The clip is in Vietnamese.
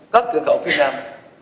các cửa khẩu phía nam